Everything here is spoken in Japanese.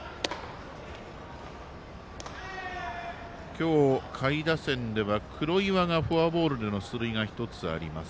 今日、下位打線では黒岩がフォアボールの出塁が１つあります。